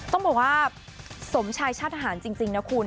ต้องบอกว่าสมชายชาติทหารจริงนะคุณ